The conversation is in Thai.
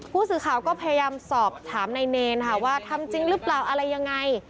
ผู้สื่อข่าวก็พยายามสอบถามนายเนรค่ะว่าทำจริงหรือเปล่าอะไรยังไง